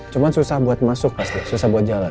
cuma susah buat masuk pasti susah buat jalan